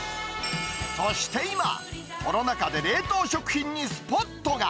そして今、コロナ禍で冷凍食品にスポットが！